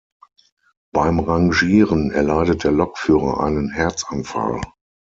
Beim Rangieren erleidet der Lokführer einen Herzanfall.